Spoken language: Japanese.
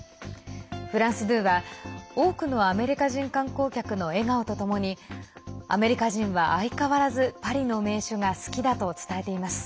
フランス２は多くのアメリカ人観光客の笑顔とともにアメリカ人は相変わらずパリの名所が好きだと伝えています。